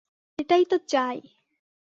এটাই তো চাই।